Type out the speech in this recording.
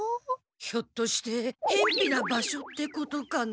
ひょっとして辺ぴな場所ってことかな？